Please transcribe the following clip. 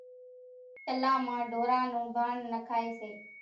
چلان مان ڍوران نون ڀاڻ نکائيَ سي۔